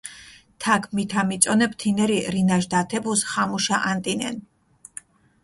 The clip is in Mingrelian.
თაქ მითა მიწონებჷ თინერი, რინაშ დათებუს ხამუშა ანტინენ.